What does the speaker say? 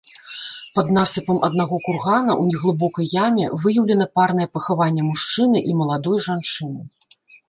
Пад насыпам аднаго кургана ў неглыбокай яме выяўлена парнае пахаванне мужчыны і маладой жанчыны.